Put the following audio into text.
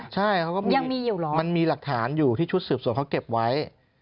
ใช่มันมีหลักฐานอยู่ที่ชุดสืบส่วนเขาเก็บไว้